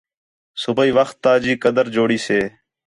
صُبیح وخت تا جی قدر جوڑی سے